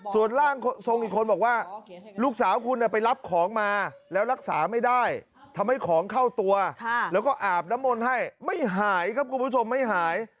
ส่วนร่างทรงอีกคนบอกว่าลูกสาวคุณไปรับของมาแล้วรักษาไม่ได้ทำให้ของเข้าตัวแล้วก็อาบน้ำมนต์ให้ไม่หายครับคุณผู้ชมไม่หาย